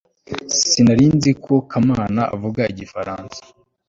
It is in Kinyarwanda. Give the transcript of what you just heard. sinari nzi ko kamana avuga igifaransa